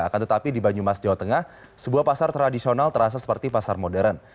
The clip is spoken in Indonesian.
akan tetapi di banyumas jawa tengah sebuah pasar tradisional terasa seperti pasar modern